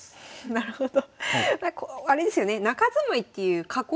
なるほど。